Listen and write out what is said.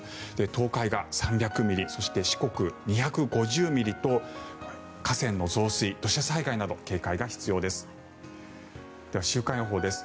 東海が３００ミリそして四国、２５０ミリと河川の増水土砂災害など警戒が必要です。